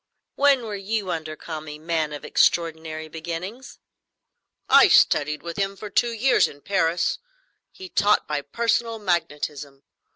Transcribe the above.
"When were you under Kami, man of extraordinary beginnings?" "I studied with him for two years in Paris. He taught by personal magnetism.